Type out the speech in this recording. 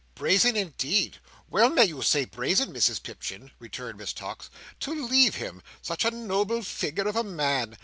"Brazen indeed! Well may you say brazen, Mrs Pipchin!" returned Miss Tox. "To leave him! Such a noble figure of a man!"